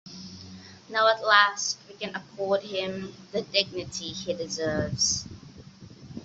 Now at last we can accord him the dignity he deserves.